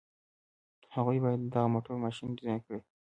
هغوی بايد د دغه موټر ماشين ډيزاين کړي.